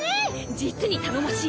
実に頼もしい！